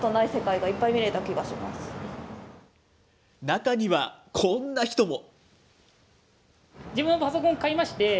中にはこんな人も。